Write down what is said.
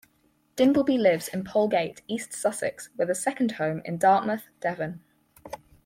Dimbleby lives in Polegate, East Sussex with a second home in Dartmouth, Devon.